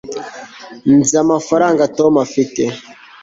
nzi amafaranga tom afite